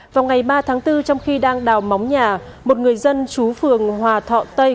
vào ngày ba tháng bốn trong khi đang đào móng nhà một người dân chú phường hòa thọ tây